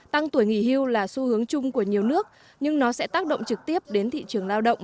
tăng tuổi nghỉ hưu là xu hướng chung của nhiều nước nhưng nó sẽ tác động trực tiếp đến thị trường lao động